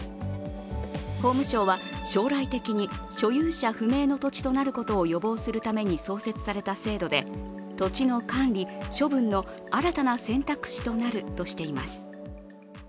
法務省は将来的に所有者不明の土地となることを予防するために創設された制度で土地の管理、処分の新たな選択肢となるとしています。